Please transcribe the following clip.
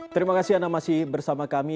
terima kasih anda masih bersama kami